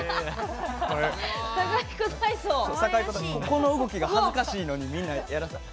ここの動きが恥ずかしいのにみんなやらされ。